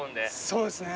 そうですね。